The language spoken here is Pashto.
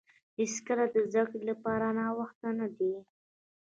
هیڅکله د زده کړې لپاره ناوخته نه دی.